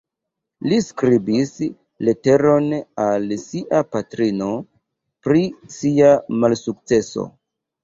Li skribis leteron al sia patrino, pri sia malsukceso.